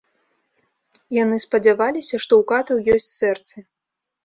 Яны спадзяваліся, што ў катаў ёсць сэрцы.